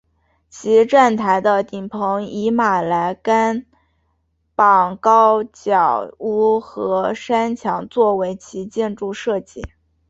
其站台的顶棚以马来甘榜高脚屋和山墙作为其建筑设计。